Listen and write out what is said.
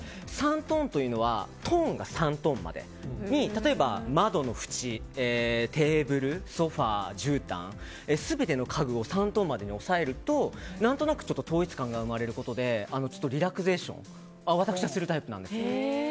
トーンというのはトーンが３トーンまで例えば窓のふちテーブル、ソファじゅうたん全ての家具を３トーンまでに抑えると何となく統一感が生まれることでリラクゼーション私はするタイプなんです。